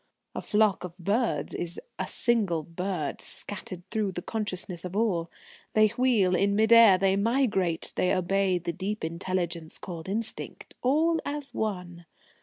A flock of birds is a single Bird, scattered through the consciousness of all. They wheel in mid air, they migrate, they obey the deep intelligence called instinct all as one.